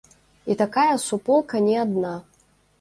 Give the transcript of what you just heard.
І такая суполка не адна.